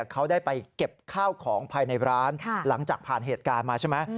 เขาได้ไปเก็บข้าวของภายในร้านหลังจากผ่านเหตุการณ์มาใช่ไหม